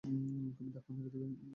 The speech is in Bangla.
তুমি ধাক্কা মেরে দেবে!